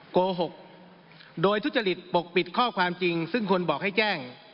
โกหกโดยทุจริตปกปิดข้อความจริงซึ่งคนบอกให้แจ้ง